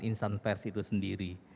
insan pers itu sendiri